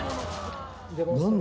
何だ？